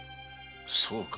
そうか。